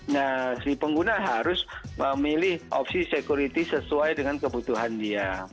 nah si pengguna harus memilih opsi security sesuai dengan kebutuhan dia